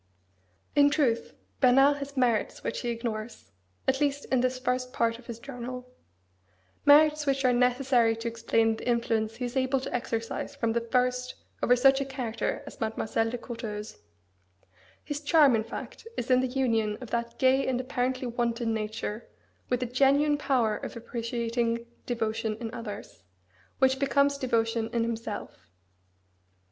In truth, Bernard has merits which he ignores, at least in this first part of his journal: merits which are necessary to explain the influence he is able to exercise from the first over such a character as Mademoiselle de Courteheuse. His charm, in fact, is in the union of that gay and apparently wanton nature with a genuine power of appreciating devotion in others, which becomes devotion in himself.